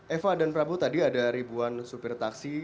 eva dan prabu tadi ada ribuan supir taksi